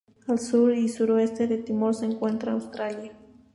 Al sur y sureste de Timor se encuentra Australia.